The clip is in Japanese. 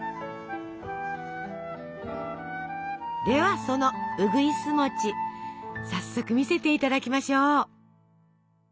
ではその「うぐいす餅」早速見せて頂きましょう！